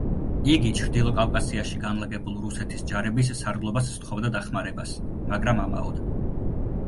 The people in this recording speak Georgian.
იგი ჩრდილო კავკასიაში განლაგებულ რუსეთის ჯარების სარდლობას სთხოვდა დახმარებას, მაგრამ ამაოდ.